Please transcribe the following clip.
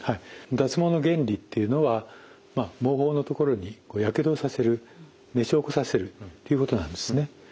脱毛の原理っていうのは毛包の所にやけどをさせる熱傷起こさせるということなんですね。